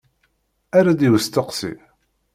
Err-d i usteqsi.